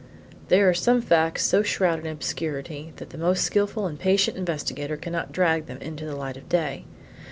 There are some facts so shrouded in obscurity that the most skillful and patient investigator cannot drag them into the light of day.